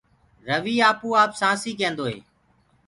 رويٚ آپوآپ سآنٚسي ڪينٚدوئي